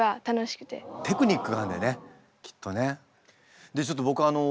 テクニックがあるんだよねきっとね。